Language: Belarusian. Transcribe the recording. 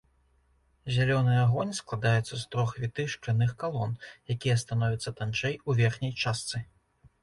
Зялёны агонь складаецца з трох вітых шкляных калон, якія становяцца танчэй у верхняй частцы.